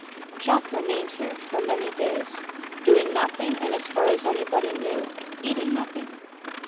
Jack remained here for many days, doing nothing, and as far as anybody knew eating nothing.